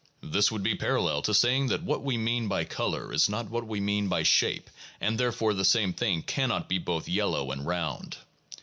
This would be parallel to saying that what we mean by color is not what we mean by shape, and therefore the same thing cannot be both yellow and round.